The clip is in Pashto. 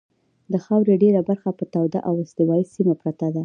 د خاورې ډېره برخه په توده او استوایي سیمه پرته ده.